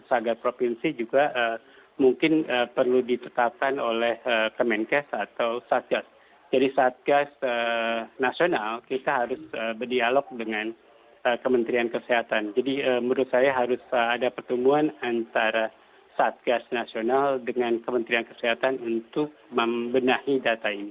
sebagai provinsi juga mungkin perlu ditetapkan oleh kemenkes atau satgas jadi satgas nasional kita harus berdialog dengan kementerian kesehatan jadi menurut saya harus ada pertumbuhan antara satgas nasional dengan kementerian kesehatan untuk membenahi data ini